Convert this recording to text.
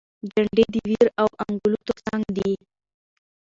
جنډې د ویر او انګولاوو تر څنګ دي.